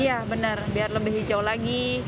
iya benar biar lebih hijau lagi